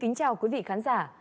xin chào quý vị khán giả